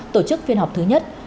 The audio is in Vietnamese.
tổ chức phiên họp thứ nhất